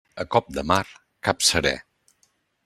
A cop de mar, cap seré.